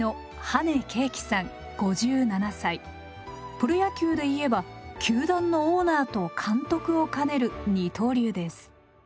プロ野球で言えば球団のオーナーと監督を兼ねる二刀流です。